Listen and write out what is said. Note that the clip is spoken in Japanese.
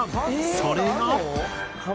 それが。